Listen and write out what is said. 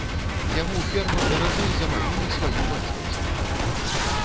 Яму ферма даражэй за маю і сваю бацькаўшчыну.